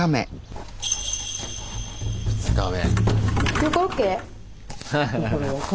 ２日目。